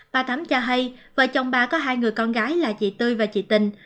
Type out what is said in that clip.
bà thắm cho hay vợ chồng bà có hai người con gái là chị tư và chị tình